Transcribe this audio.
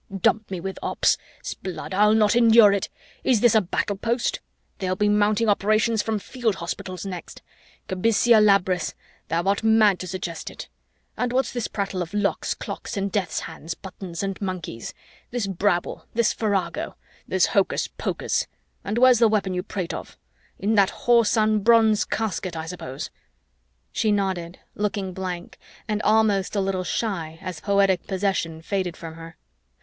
"Dump me with ops! 'Sblood, I'll not endure it! Is this a battle post? They'll be mounting operations from field hospitals next. Kabysia Labrys, thou art mad to suggest it. And what's this prattle of locks, clocks, and death's heads, buttons and monkeys? This brabble, this farrago, this hocus pocus! And where's the weapon you prate of? In that whoreson bronze casket, I suppose." She nodded, looking blank and almost a little shy as poetic possession faded from her.